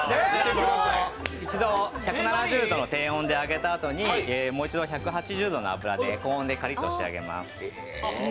１度、１７０度の低温で揚げたあとにもう一度、１８０度の高温でカリッと仕上げます。